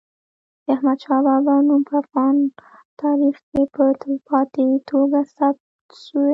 د احمد شاه بابا نوم په افغان تاریخ کي په تلپاتې توګه ثبت سوی.